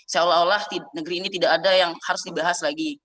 seolah olah negeri ini tidak ada yang harus dibahas lagi